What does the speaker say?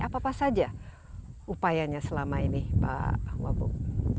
apa saja upayanya selama ini pak wabung